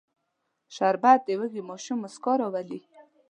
شربت د وږي ماشوم موسکا راولي